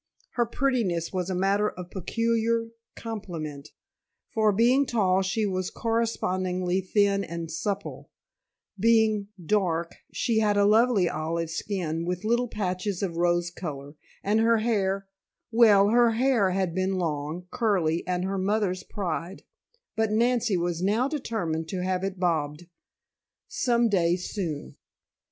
Her prettiness was a matter of peculiar complement, for being tall she was correspondingly thin and supple, being dark she had a lovely olive skin with little patches of rose color, and her hair well, her hair had been long, curly, and her mother's pride, but Nancy was now determined to have it bobbed some day soon!